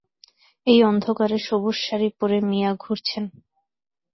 এই অন্ধকারে সবুজ শাড়ি পরে মিয়া ঘুরছেন।